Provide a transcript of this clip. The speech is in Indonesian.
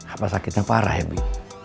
apa sakitnya parah ya bi